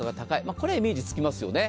これはイメージつきますよね。